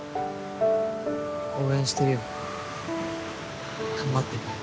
応援してるよ頑張ってね。